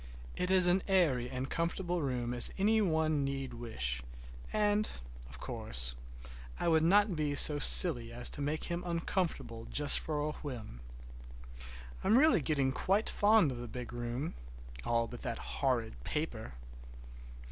It is as airy and comfortable a room as any one need wish, and, of course, I would not be so silly as to make him uncomfortable just for a whim. I'm really getting quite fond of the big room, all but that horrid paper.